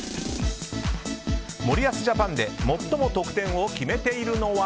森保ジャパンで最も得点を決めているのは。